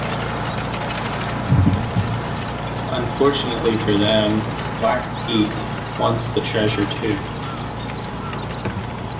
Unfortunately for them Black Pete wants the treasure too.